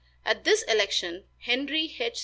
At this election Henry H.